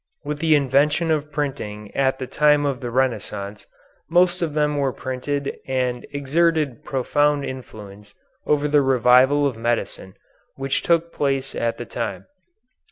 With the invention of printing at the time of the Renaissance most of them were printed and exerted profound influence over the revival of medicine which took place at that time.